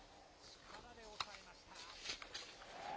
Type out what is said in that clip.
力で抑えました。